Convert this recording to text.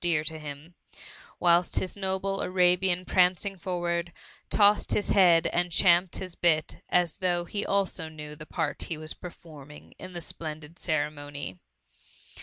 dear to him ; whikt his noble Arabian prancing forward, tossed his bead and champed his bit as though he also knew the part he was per forming in the splendid ceremony.